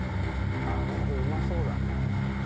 あっこれうまそうだね。